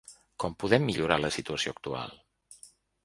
Com podem millorar la situació actual?